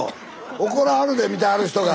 怒らはるで見てはる人が。